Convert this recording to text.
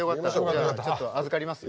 ちょっと預かりますよ。